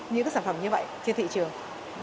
những cái sản phẩm như vậy trên thị trường